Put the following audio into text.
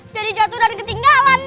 jadi jatuh dan ketinggalan deh